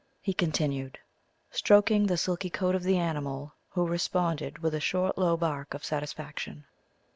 he continued, stroking the silky coat of the animal, who responded with a short low bark of satisfaction.